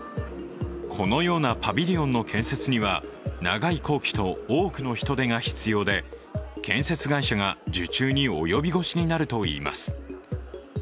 このようなパビリオンの建設には長い工期と多くの人手が必要で建設会社が受注に及び腰になるといいます。